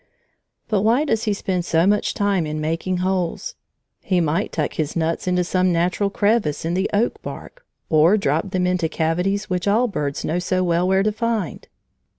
But why does he spend so much time in making holes? He might tuck his nuts into some natural crevice in the oak bark, or drop them into cavities which all birds know so well where to find.